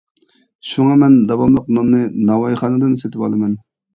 شۇڭا مەن داۋاملىق ناننى ناۋايخانىدىن سېتىۋالىمەن.